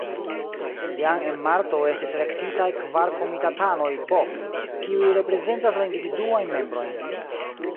Jam en marto estis elektitaj kvar komitatanoj B, kiuj reprezentas la individuajn membrojn.